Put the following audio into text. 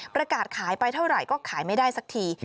ประกาศขายไปเท่าไหร่ก็ขายไม่ได้สักที